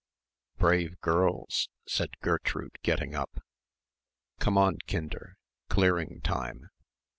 "Brave girls," said Gertrude, getting up. "Come on, Kinder, clearing time.